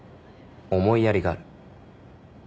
思いやりがある。